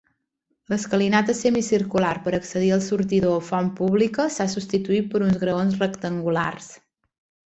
L'escalinata semicircular per accedir al sortidor o font pública s'ha substituït per uns graons rectangulars.